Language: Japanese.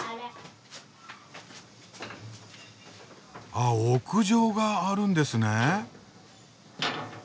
あ屋上があるんですね。